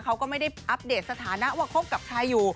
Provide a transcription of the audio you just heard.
เขาก็ไม่ได้อัปเดตสถานะว่าคบกับใครอยู่